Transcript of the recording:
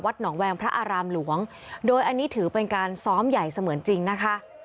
หนองแวงพระอารามหลวงโดยอันนี้ถือเป็นการซ้อมใหญ่เสมือนจริงนะคะ